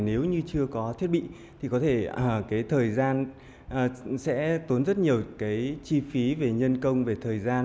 nếu như chưa có thiết bị thì có thể cái thời gian sẽ tốn rất nhiều cái chi phí về nhân công về thời gian